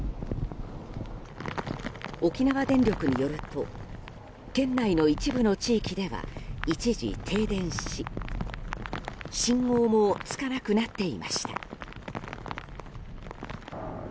沖縄電力によると県内の一部の地域では一時停電し信号もつかなくなっていました。